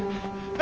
あ！